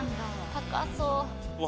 高そう。